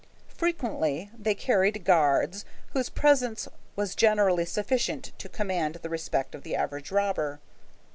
Frequently they carried guards, whose presence was generally sufficient to command the respect of the average robber.